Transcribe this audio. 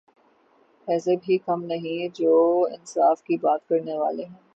ایسے بھی کم نہیں جو انصاف کی بات کرنے والے ہیں۔